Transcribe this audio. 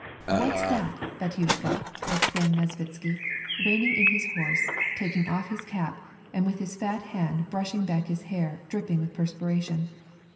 " What's that, batyushka," exclaimed Nesvitsky, reining in his horse, taking off his cap, and with his fat hand brushing hack his hair, dripping with perspiration.